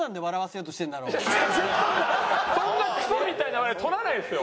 そんなクソみたいな笑いとらないですよ。